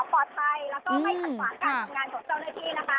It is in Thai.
แล้วก็ไม่หันขวางการทำงานของเจ้าหน้าที่นะคะ